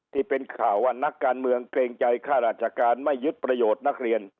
ที่เป็นข่าวว่านักการเมืองเกรงใจค่าราชการไม่ยึดประโยชน์นักเรียน